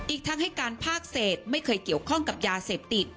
อีกทั้งให้การภาคเศษไม่เคยเกี่ยวข้องกับยาเสพติด